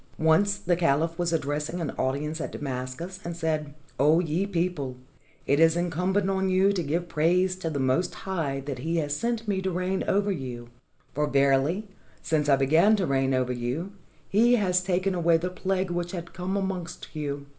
Once the caliph was addressing an audience at Damascus, and said :" O ye people ! it is incumbent on you to give praise to the Most High that He has sent me to reign over you. For verily since I began to reign over you, He has taken away the plague which had come amongst you."